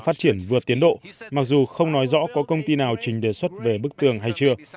phát triển vượt tiến độ mặc dù không nói rõ có công ty nào trình đề xuất về bức tường hay chưa